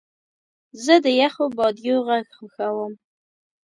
زه د یخو بادیو غږ خوښوم.